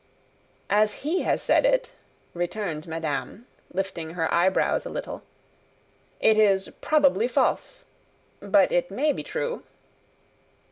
"As he has said it," returned madame, lifting her eyebrows a little, "it is probably false. But it may be true."